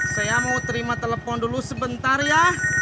saya mau terima telepon dulu sebentar ya